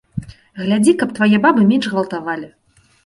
Глядзі, каб твае бабы менш гвалтавалі.